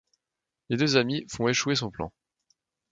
Les deux amis font échouer son plan.